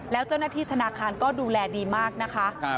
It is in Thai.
แล้วเจ้าหน้าที่ธนาคารก็ดูแลดีมากนะคะ